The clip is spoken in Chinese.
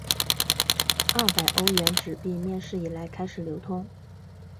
二百欧元纸币面世以来开始流通。